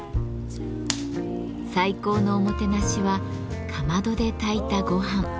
最高のおもてなしはかまどで炊いたごはん。